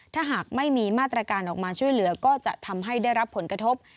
ถ้าหากไม่มีมาตรการออกมาช่วยเหลือก็จะทำให้ได้รับผลกระทบ